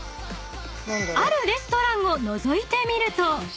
［あるレストランをのぞいてみると］